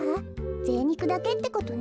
ぜいにくだけってことね。